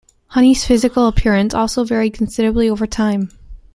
Honey's physical appearance also varied considerably over time.